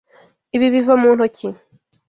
Ibi biva mu ntoki.